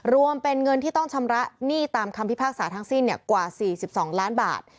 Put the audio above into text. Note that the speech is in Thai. รวมเป็นเงินที่ต้องชำระหนี้ตามคำพิพากษาทั้งสิ้นกว่า๔๒ล้านบาท